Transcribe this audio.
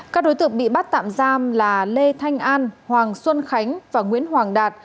các đối tượng bị bắt tạm giam là lê thanh an hoàng xuân khánh và nguyễn hoàng đạt